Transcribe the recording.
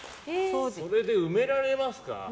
それで埋められますか？